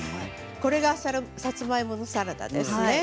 これがさつまいものサラダですね。